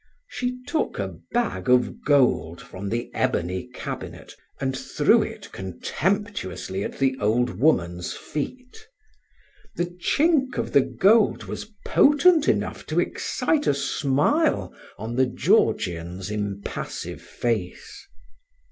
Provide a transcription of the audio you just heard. She took a bag of gold from the ebony cabinet, and threw it contemptuously at the old woman's feet. The chink of the gold was potent enough to excite a smile on the Georgian's impassive face.